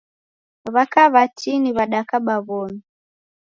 W'aka w'atini w'adakaba w'omi.